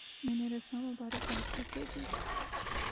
میں نے رسما مبارکباد پہ دے دی۔